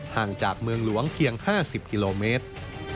ห่างจากเมืองหลวงเพียง๕๐กิโลเมตร